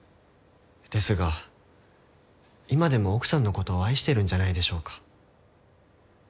ですが今でも奥さんのことを愛しているんじゃないでしょうか。